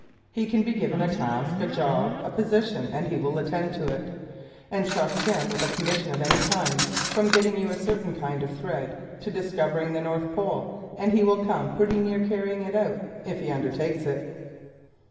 He can be given a task, a job, a position and he will attend to it. Entrust him with a commission of any kind, from getting you a certain kind of thread to discovering the North Pole, and he will come pretty near carrying it out, if he undertakes it.